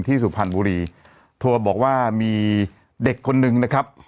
ที่สุภัณฑ์บุหรี่โทรศัพท์บอกว่ามีเด็กคนนึงนะครับ